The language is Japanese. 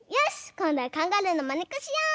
こんどはカンガルーのまねっこしよう！